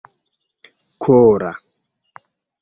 kora